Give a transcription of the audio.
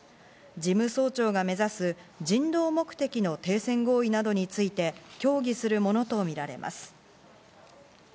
事務総長が目指す人道目的の停戦合意などについて協議するものとみられます。